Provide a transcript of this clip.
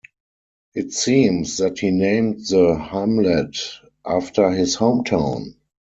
It seems that he named the hamlet after his home town.